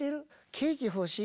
ケーキ欲しい？